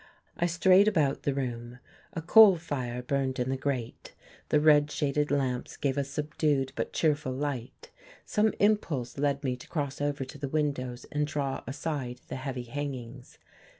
I strayed about the room. A coal fire burned in the grate, the red shaded lamps gave a subdued but cheerful light; some impulse led me to cross over to the windows and draw aside the heavy hangings.